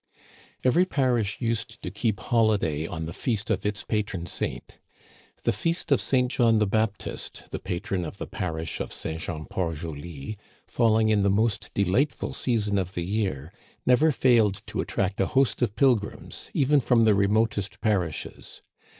Every parish used to keep holiday on the feast of its patron saint. The feast of St. John the Baptist, the patron of the parish of St. Jean Port Joli, falling in the most delightful season of the year, never failed to at tract a host of pilgrims, even from the remotest par ishes.